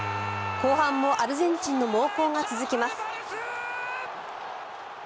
後半もアルゼンチンの猛攻が続きます。